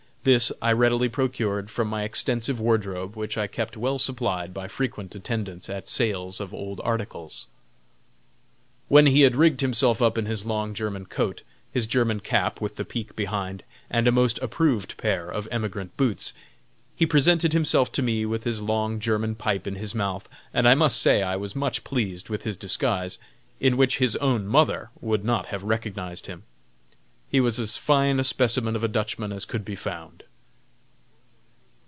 This I readily procured from my extensive wardrobe, which I keep well supplied by frequent attendance at sales of old articles. When he had rigged himself up in his long German coat, his German cap with the peak behind, and a most approved pair of emigrant boots, he presented himself to me with his long German pipe in his mouth, and I must say I was much pleased with his disguise, in which his own mother would not have recognized him. He was as fine a specimen of a Dutchman as could be found.